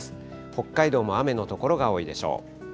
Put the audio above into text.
北海道も雨の所が多いでしょう。